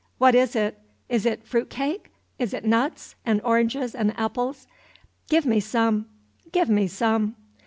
What is it? Is it frut cake? Is it nuts and oranges and apples? Give me some! Give me some!"